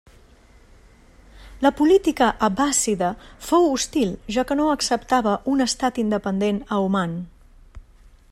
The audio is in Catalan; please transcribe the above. La política abbàssida fou hostil, ja que no acceptava un estat independent a Oman.